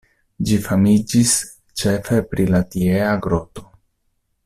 Ĝi famiĝis ĉefe pri la tiea groto.